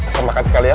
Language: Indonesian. selamat makan sekalian